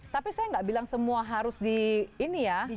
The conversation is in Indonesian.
tapi saya nggak bilang semua harus di ini ya